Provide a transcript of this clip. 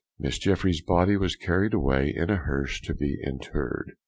Miss Jeffrye's body was carried away in a hearse to be interred.